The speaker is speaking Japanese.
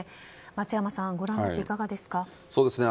松山さん、ご覧になっていかがですか？